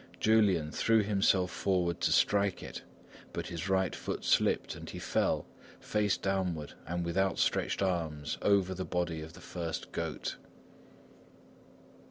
Julian threw himself forward to strike it, but his right foot slipped, and he fell, face downward and with outstretched arms, over the body of the first goat.